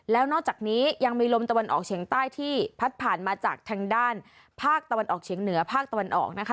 แล้วนอกจากนี้ยังมีลมตะวันออกเฉียงใต้ที่พัดผ่านมาจากทางด้านภาคตะวันออกเฉียงเหนือภาคตะวันออกนะคะ